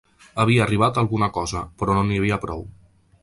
Havia arribat alguna cosa, però no n’hi havia prou.